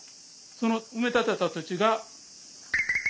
その埋め立てた土地が。